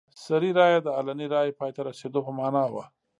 سري رایه د علني رایې پای ته رسېدو په معنا وه.